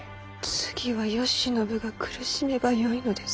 次は慶喜が苦しめばよいのです。